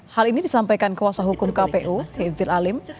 hal ini disampaikan kuasa hukum kpu sezir alim